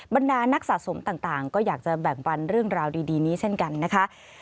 บรรดานักสะสมต่างก็อยากจะแบ่งปันเรื่องราวดีนี้เช่นกันนะคะ